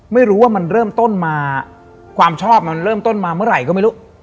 ไม่รู้ว่ามันเริ่มต้นมาความชอบมันเริ่มต้นมาเมื่อไหร่ก็ไม่รู้